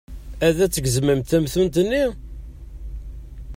Ad d-gezmemt tamtunt-nni?